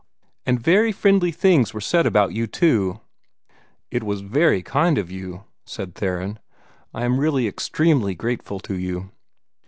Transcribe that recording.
And very friendly things were said about you, too." "It was very kind of you," said Theron. "I am really extremely grateful to you."